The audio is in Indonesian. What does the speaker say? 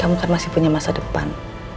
kamu kan masih punya masa depan